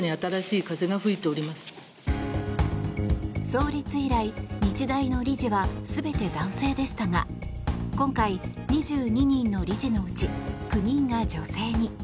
創立以来、日大の理事は全て男性でしたが今回、２２人の理事のうち９人が女性に。